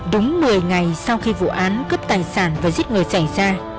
đúng một mươi ngày sau khi vụ án cướp tài sản và giết người xảy ra